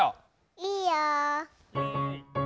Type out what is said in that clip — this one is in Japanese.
いいよ。